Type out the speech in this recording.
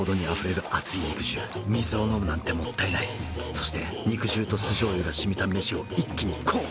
そして肉汁と酢醤油がしみた飯を一気にこう！